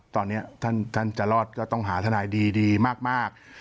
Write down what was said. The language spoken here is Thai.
ตอนนี้ท่านจะรอดก็ต้องหาทนายดีมาก